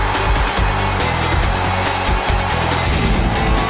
เคี่ยง